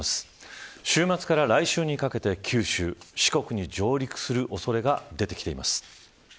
週末から来週にかけて九州、四国に上陸するおそれが出てきています。